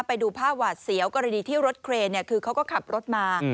ไปดูภาพหวาดเสียวกรณีที่รถเครนคือเขาก็ขับรถมา